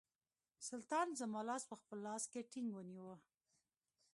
سلطان زما لاس په خپل لاس کې ټینګ ونیوی.